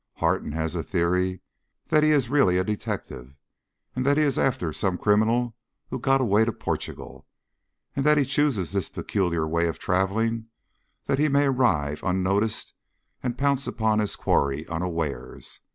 Harton has a theory that he is really a detective, that he is after some criminal who has got away to Portugal, and that he chooses this peculiar way of travelling that he may arrive unnoticed and pounce upon his quarry unawares.